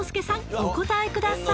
お答えください